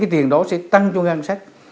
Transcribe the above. tiền đó sẽ tăng cho ngang sách